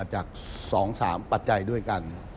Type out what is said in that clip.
มาจาก๒คือ๓ปัจจัยด้วยกัน